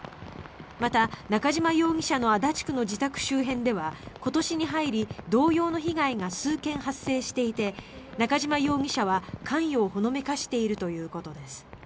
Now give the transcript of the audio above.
また、中島容疑者の足立区の自宅周辺では今年に入り同様の被害が数件発生していて中島容疑者は関与をほのめかしているということです。